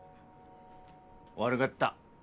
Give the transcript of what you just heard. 悪がった。